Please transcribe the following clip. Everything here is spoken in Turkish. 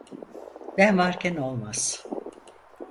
Ben varken olmaz.